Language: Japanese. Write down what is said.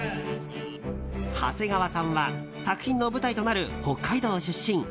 長谷川さんは作品の舞台となる北海道出身。